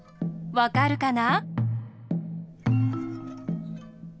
わかるかな？